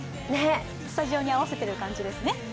スタジオに合わせてる感じですね。